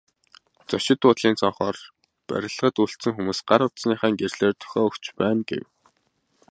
Зочид буудлын цонхоор барилгад үлдсэн хүмүүс гар утасныхаа гэрлээр дохио өгч байна гэв.